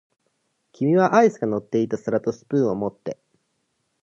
君はアイスが乗っていた皿とスプーンを持って、